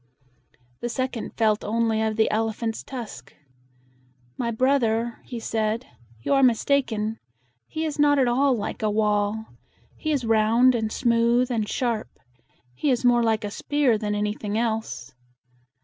The second felt only of the elephant's tusk. "My brother," he said, "you are mistaken. He is not at all like a wall. He is round and smooth and sharp. He is more like a spear than anything else."